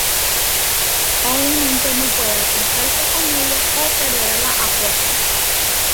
Obviamente, no puede acostarse con ella o perderá la apuesta.